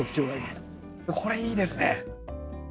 これいいですね！